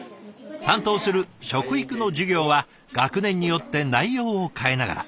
担当する食育の授業は学年によって内容を変えながら。